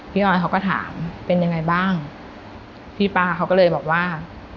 ออยเขาก็ถามเป็นยังไงบ้างพี่ป้าเขาก็เลยบอกว่า